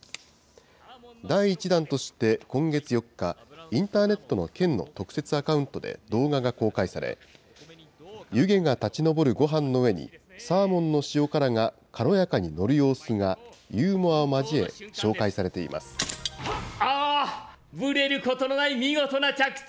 第１弾として今月４日、インターネットの県の特設アカウントで動画が公開され、湯気が立ち上るごはんの上に、サーモンの塩辛が軽やかに載る様子が、ユーモアを交え、ああ、ぶれることのない見事な着地！